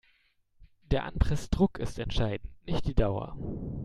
Der Anpressdruck ist entscheidend, nicht die Dauer.